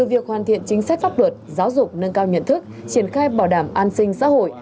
giải quyết chính sách pháp luật giáo dục nâng cao nhận thức triển khai bảo đảm an sinh xã hội